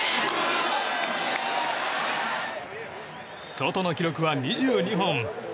ソトの記録は２２本。